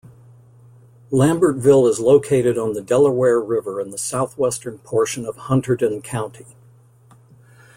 Lambertville is located on the Delaware River in the southwestern portion of Hunterdon County.